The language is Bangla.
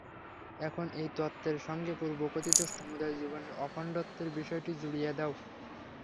এখন এই তত্ত্বের সঙ্গে পূর্বকথিত সমুদয় জীবনের অখণ্ডত্বের বিষয়টি জুড়িয়া দাও।